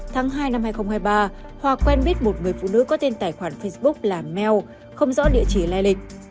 tháng hai năm hai nghìn hai mươi ba hòa quen biết một người phụ nữ có tên tài khoản facebook là mel không rõ địa chỉ lai lịch